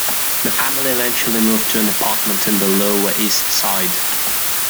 The family eventually moved to an apartment in the Lower East Side.